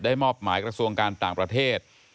มอบหมายกระทรวงการต่างประเทศ